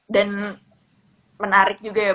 dan menarik juga